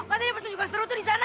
katanya pertunjukan seru tuh di sana